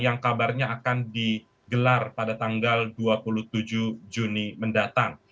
yang kabarnya akan digelar pada tanggal dua puluh tujuh juni mendatang